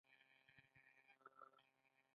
عصري تعلیم مهم دی ځکه چې ډیجیټل مهارتونه ورښيي.